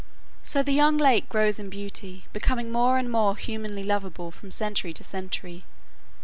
So the young lake grows in beauty, becoming more and more humanly lovable from century to century.